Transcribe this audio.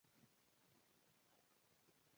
جميلې وويل: زه پوهیږم ته به د هغې په راتګ خفه نه شې.